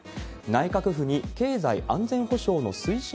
内閣府に経済安全保障の推進